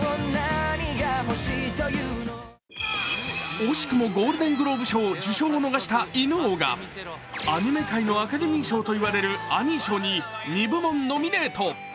惜しくもゴールデン・グローブ賞を逃した「犬王」がアニメ界のアカデミー賞と呼ばれるアニー賞に２部門ノミネート。